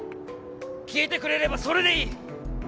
消えてくれればそれでいい